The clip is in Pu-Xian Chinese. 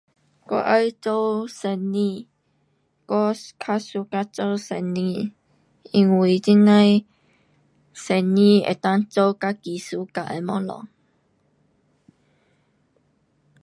我要做生意，我较 suka 做生意。因为这呐的生意能够做自己 suka 的东西。